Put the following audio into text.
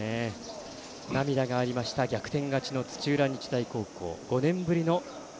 涙がありました５年ぶりの土浦日大高校。